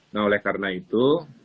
nah oleh karena itu